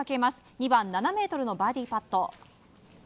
２番、７ｍのバーディーパット。